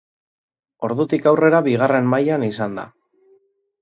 Ordutik aurrera bigarren mailan izan da.